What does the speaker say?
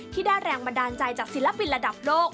ที่ได้แรงบันดาลใจจากศิลปินระดับโลก